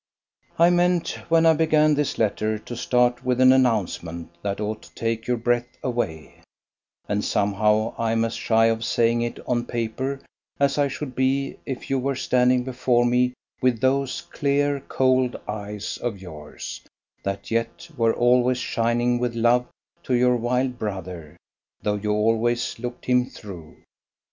I meant when I began this letter to start with an announcement that ought to take your breath away, and somehow I'm as shy of saying it on paper as I should be if you were standing before me with those "clear cold eyes" of yours, that yet were always shining with love to your wild brother, though you always "looked him through."